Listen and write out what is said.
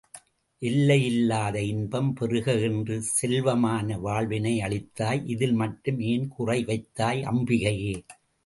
எல்லையில்லாத இன்பம் பெறுக என்று செல்வமான வாழ்வினை அளித்தாய் இதில் மட்டும் ஏன் குறை வைத்தாய்? அம்பிகையே!